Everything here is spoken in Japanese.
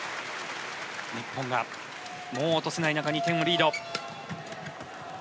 日本がもう落とせない中２点をリード。